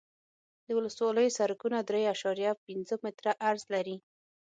د ولسوالیو سرکونه درې اعشاریه پنځه متره عرض لري